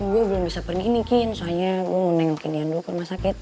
gue belum bisa pergi nikin soalnya gue mau nengokin yandu ke rumah sakit